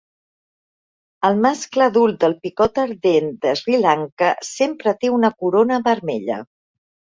El mascle adult del Picot ardent de Sri Lanka sempre té una corona vermella.